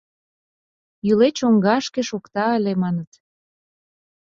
Йӱле чоҥгашке шокта ыле, маныт.